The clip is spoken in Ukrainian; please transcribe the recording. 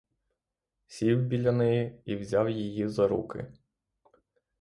Сів біля неї і взяв її за руки.